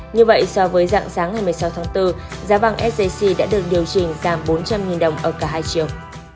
như vậy so với dạng sáng ngày một mươi sáu tháng bốn giá vàng sjc đã được điều chỉnh giảm bốn trăm linh đồng ở cả hai chiều